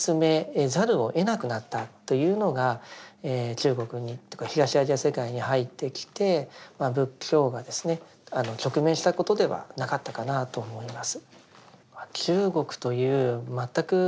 中国にというか東アジア世界に入ってきて仏教が直面したことではなかったかなと思います。